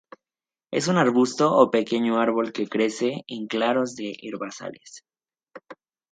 Es un arbusto o pequeño árbol que crece en claros de herbazales.